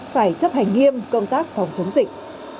phải chấp hành nghiêm công tác phòng chống dịch